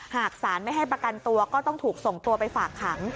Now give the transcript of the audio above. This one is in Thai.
หากสารไม่ให้ประกันตัวก็ต้องถูกส่งตัวไปฝากขัง